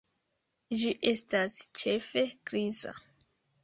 Ĝi estas ĉefe griza.